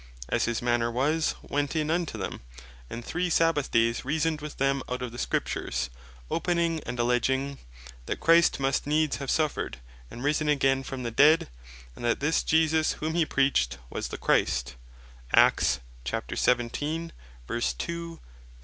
"As his manner was, went in unto them, and three Sabbath dayes reasoned with them out of the Scriptures, Opening and alledging, that Christ must needs have suffered and risen again from the dead; and that this Jesus whom he preached was the Christ."